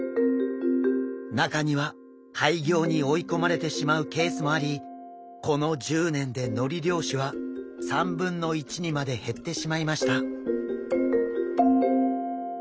中には廃業に追い込まれてしまうケースもありこの１０年でのり漁師は３分の１にまで減ってしまいました。